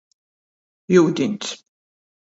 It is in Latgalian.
Iudiņs.